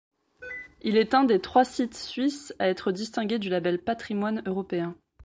Il est un des trois sites suisses à être distingué du label Patrimoine européen.